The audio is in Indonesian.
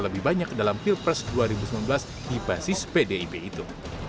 lebih banyak dalam pilpres dua ribu sembilan belas di basis pdip itu